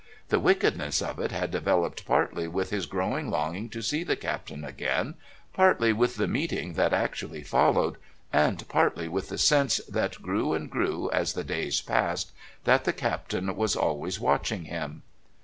The wickedness of it had developed partly with his growing longing to see the Captain again, partly with the meeting that actually followed, and partly with the sense that grew and grew as the days passed that the Captain was always watching him.